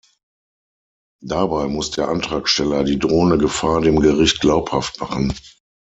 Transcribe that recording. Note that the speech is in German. Dabei muss der Antragsteller die drohende Gefahr dem Gericht glaubhaft machen.